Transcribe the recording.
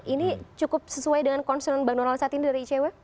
ini cukup sesuai dengan concern bang donald saat ini dari icw